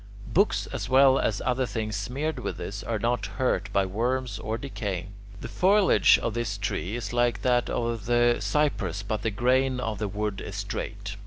Books as well as other things smeared with this are not hurt by worms or decay. The foliage of this tree is like that of the cypress but the grain of the wood is straight.